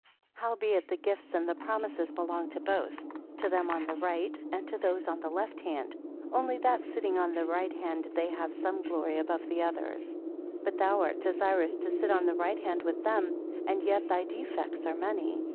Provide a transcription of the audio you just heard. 19 Howbeit the gifts and the promises belong to both, to them on the right, and to those on the left hand; only that sitting on the right hand they have some glory above the others. 20 But thou art desirous to sit on the right hand with them, and yet thy defects are many.